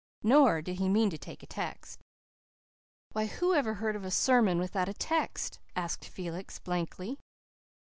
Nor did he mean to take a text. "Why, who ever heard of a sermon without a text?" asked Felix blankly.